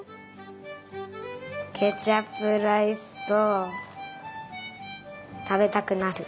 ケチャップライスとたべたくなる。